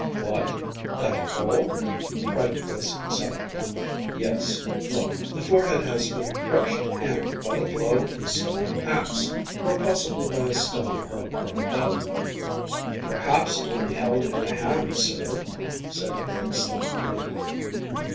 "What, that hole?" cried Chris excitedly. "Yes. Look, the forehead has been crushed in by the blow from a stone axe, or possibly by a stone hurled from above." "Perhaps only held in the hand, sir," said Griggs thoughtfully.